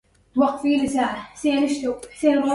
لماذا طردت ذلك الرجل من مطعم البيزا؟